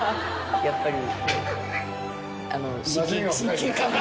やっぱり。